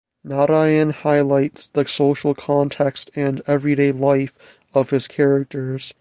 Narayan highlights the social context and everyday life of his characters.